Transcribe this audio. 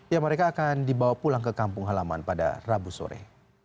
ya mereka akan dibawa pulang ke kampung halaman pada rabu sore